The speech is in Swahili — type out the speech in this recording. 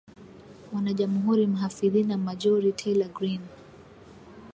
mwanajamuhuri mhafidhina Marjorie Taylor Greene